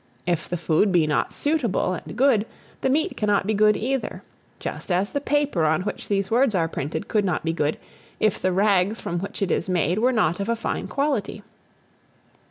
If the food be not suitable and good, the meat cannot be good either; just as the paper on which these words are printed, could not be good, if the rags from which it is made, were not of a fine quality.